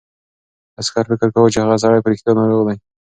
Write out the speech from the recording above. عسکر فکر کاوه چې هغه سړی په رښتیا ناروغ دی.